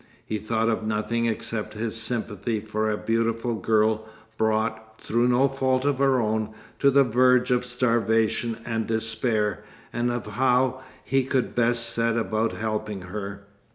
He thought of nothing except his sympathy for a beautiful girl brought, through no fault of her own, to the verge of starvation and despair, and of how he could best set about helping her.